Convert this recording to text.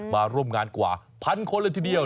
มาร่วมงานกว่าพันคนเลยทีเดียว